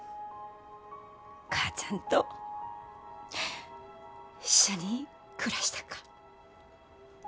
母ちゃんと一緒に暮らしたか。